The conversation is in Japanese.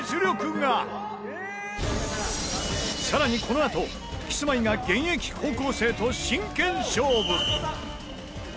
更にこのあとキスマイが現役高校生と真剣勝負！